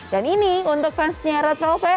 dan ini untuk fansnya red velvet